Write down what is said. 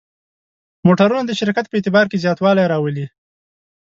موټرونه د شرکت په اعتبار کې زیاتوالی راولي.